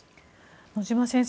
野嶋先生